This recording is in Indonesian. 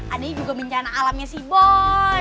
ada juga bencana alamnya sih boy